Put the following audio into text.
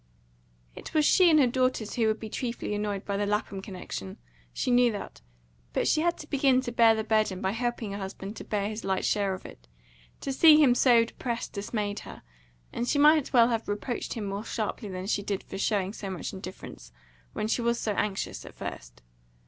It was she and her daughters who would be chiefly annoyed by the Lapham connection; she knew that. But she had to begin to bear the burden by helping her husband to bear his light share of it. To see him so depressed dismayed her, and she might well have reproached him more sharply than she did for showing so much indifference, when she was so anxious, at first.